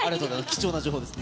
貴重な情報です。